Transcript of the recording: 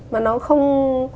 mà nó không